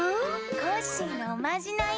コッシーのおまじない。